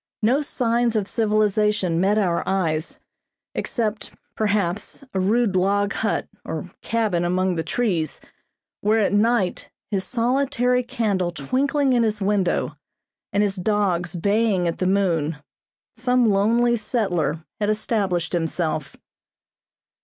No signs of civilization met our eyes, except, perhaps, a rude log hut or cabin among the trees, where at night, his solitary candle twinkling in his window and his dogs baying at the moon, some lonely settler had established himself.